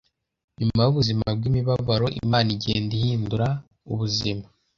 Nyuma y’ubuzima bw’imibabaro Imana igenda ihindura ubizima